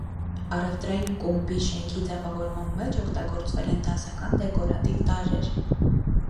Առևտրային կումբի շենքի ձևավորման մեջ օգտագործվել են դասական դեկորատիվ տարրեր։